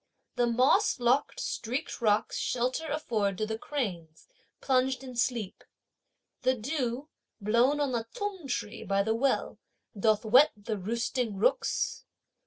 The moss locked, streaked rocks shelter afford to the cranes, plunged in sleep. The dew, blown on the t'ung tree by the well, doth wet the roosting rooks.